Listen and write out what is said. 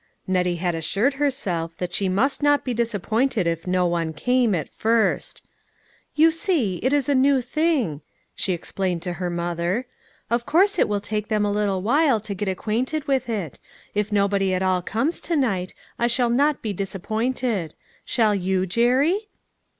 Nettie had assured herself that she must not be disappointed if no one came, at first 378 LITTLE FISHERS: AND THEIR NETS. " You see, it is a new thing," she explained to her mother, " of course it will take them a little while to get acquainted with it ; if nobody at all comes to night, I shall not be disappointed. Shall you, Jerry?"